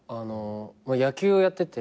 野球をやってて。